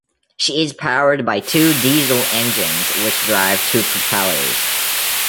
She is powered by two diesel engines which drive two propellers.